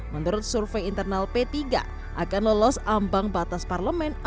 menurut survei internal p tiga akan lolos ambang batas parlemen